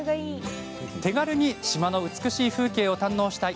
手軽に島の美しい風景を堪能したい！